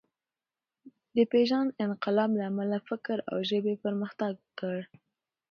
د پېژاند انقلاب له امله فکر او ژبې پرمختګ وکړ.